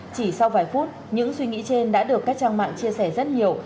chỉ sau vài phút những suy nghĩ trên đã được các trang mạng chia sẻ rất nhiều